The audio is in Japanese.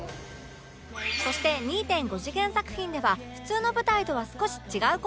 そして ２．５ 次元作品では普通の舞台とは少し違う光景が